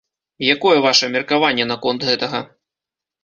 Якое ваша меркаванне наконт гэтага?